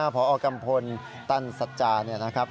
ผอกัมพลตันสัจจานะครับ